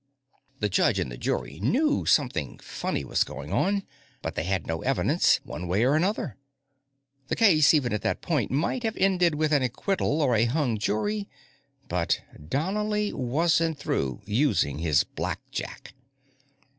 The judge and the jury knew something funny was going on, but they had no evidence, one way or another. The case, even at that point, might have ended with an acquittal or a hung jury, but Donnely wasn't through using his blackjack.